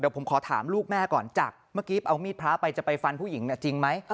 ผมขอถามลูกแม่ก่อนจากเมื่อกี้เอามีดพระไปจะไปฟันผู้หญิงจริงไหม